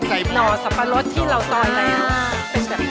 หน่อสับปะรดที่เราต่อยแล้ว